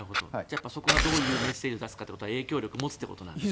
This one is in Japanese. そこがどういうメッセージを出すかってことは影響力を持つということですね。